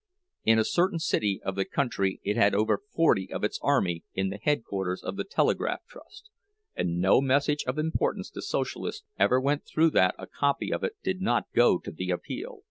In a certain city of the country it had over forty of its "Army" in the headquarters of the Telegraph Trust, and no message of importance to Socialists ever went through that a copy of it did not go to the "Appeal."